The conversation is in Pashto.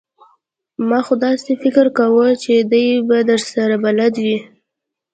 ما خو داسې فکر کاوه چې دی به درسره بلد وي!